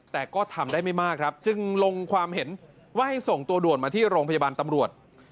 แต่ก็ทำได้ไม่มากครับจึงลงความเห็นว่าให้ส่งตัวด่วนมาที่โรงพยาบาลตำรวจ